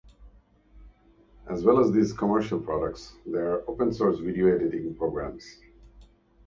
As well as these commercial products, there are opensource video-editing programs.